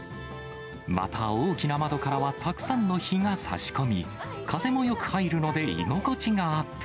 また、大きな窓からはたくさんの日がさし込み、風もよく入るので居心地がアップ。